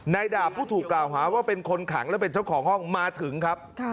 ดาบผู้ถูกกล่าวหาว่าเป็นคนขังและเป็นเจ้าของห้องมาถึงครับ